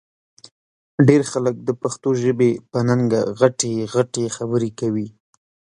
ډېر خلک د پښتو ژبې په ننګه غټې غټې خبرې کوي